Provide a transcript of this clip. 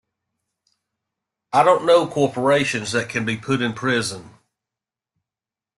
I don't know corporations that can be put in prison.